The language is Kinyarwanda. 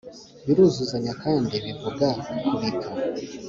biruzuzanya kandi bivuga kubika